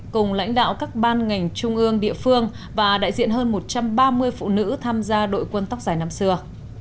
cùng lãnh đạo các ban ngành trung ương địa phương và đại diện hơn một trăm ba mươi phụ nữ tham gia đội quân tóc giải năm xưa